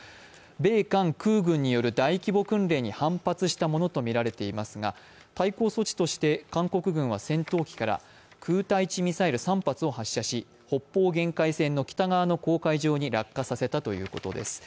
米艦空軍による大規模訓練に反発したものとみられていますが、対抗措置として韓国軍は戦闘機から空対地ミサイル３発を発射し、北方限界線の北側の公海上に落下させたということです。